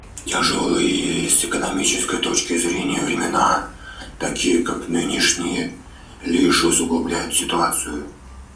Тяжелые с экономической точки зрения времена, такие как нынешние, лишь усугубляют ситуацию.